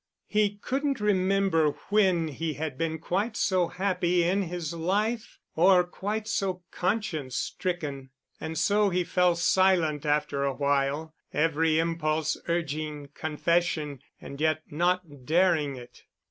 He couldn't remember when he had been quite so happy in his life, or quite so conscience stricken. And so he fell silent after a while, every impulse urging confession and yet not daring it.